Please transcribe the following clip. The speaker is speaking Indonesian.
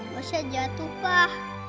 mosya jatuh pak